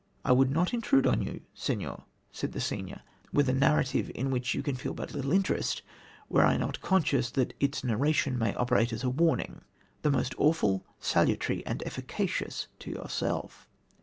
'I would not intrude on you, Senhor,' says the stranger, 'with a narrative in which you can feel but little interest, were I not conscious that its narration may operate as a warning, the most awful, salutary and efficacious to yourself.'"